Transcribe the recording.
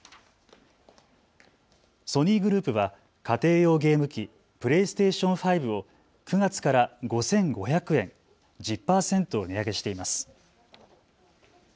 ソニーグループは家庭用ゲーム機、プレイステーション５を９月から５５００円、１０％値上げしています。